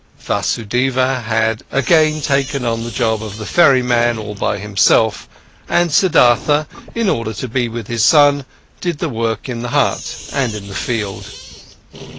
Vasudeva had again taken on the job of the ferryman all by himself, and Siddhartha, in order to be with his son, did the work in the hut and the field.